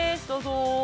どうぞ。